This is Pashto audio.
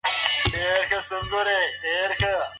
آیا د ښځو په تعليم کي څوک اختلاف لري؟